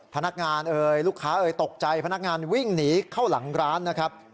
พนักงานเอ่ยลูกค้าเอ่ยตกใจพนักงานวิ่งหนีเข้าหลังร้านนะครับ